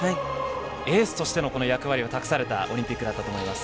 エースとしてのこの役割を託されたオリンピックだったと思います。